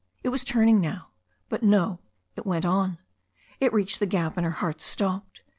It was turning now. But no, it went on. It reached the gap, and her heart stopped.